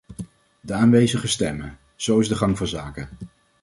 De aanwezigen stemmen, zo is de gang van zaken.